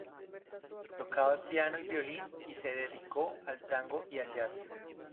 Tocaba piano y violín y se dedicó al tango y al jazz.